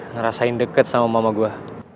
ngerasain deket sama mama gue